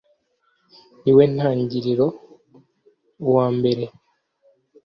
Ni we ntangiriro uwa mbere